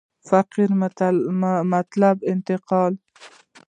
فقره مطلب انتقالوي.